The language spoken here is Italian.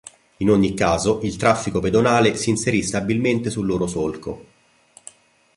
In ogni caso, il traffico pedonale si inserì stabilmente sul loro solco.